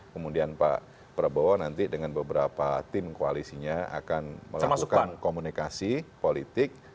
kemudian pak prabowo nanti dengan beberapa tim koalisinya akan melakukan komunikasi politik